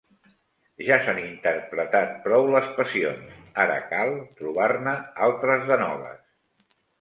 Ja s'han interpretat prou les passions: ara cal trobar-ne altres de noves.